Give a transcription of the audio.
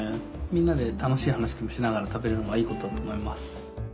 みんなで楽しい話でもしながら食べるのがいいことだと思います。